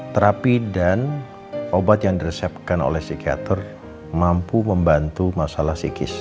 terapi dan obat yang diresepkan oleh psikiater mampu membantu masalah psikis